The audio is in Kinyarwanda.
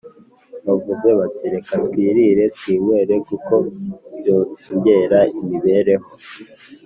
Bavuze bati Reka twirire twinywere kuko byongera imibereho.